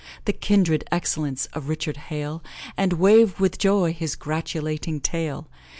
The kindred excellence of Richard hail, And wave with joy his gratulating tail!